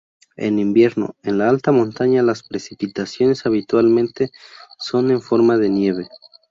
En invierno en la alta montaña las precipitaciones habitualmente son en forma de nieve.